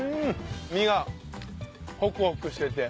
身がホクホクしてて。